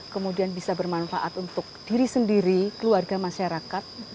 kemudian bisa bermanfaat untuk diri sendiri keluarga masyarakat